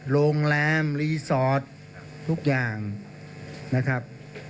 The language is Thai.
โรงแรมรีสอร์ททุกอย่างนะครับ